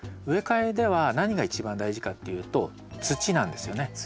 植え替えでは何が一番大事かっていうと土なんですよね。